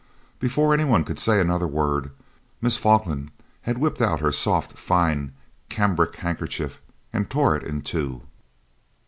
Before any one could say another word Miss Falkland had whipped out her soft fine cambric handkerchief and torn it in two.